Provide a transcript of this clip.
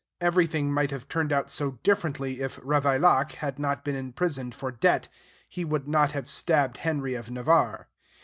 Everything might have turned out so differently! If Ravaillac had not been imprisoned for debt, he would not have stabbed Henry of Navarre.